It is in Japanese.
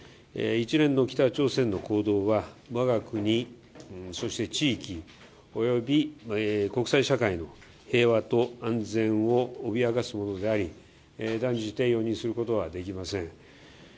一連の北朝鮮の行動は、我が国、そして地域及び国際社会の平和と安全を脅かすものであり断じて容認することはできません。